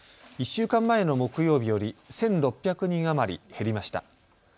１週間前の木曜日より１６００人余り減りました。